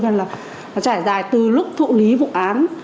nó trải dài từ lúc thụ lý vụ án